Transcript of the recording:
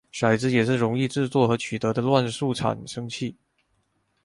骰子也是容易制作和取得的乱数产生器。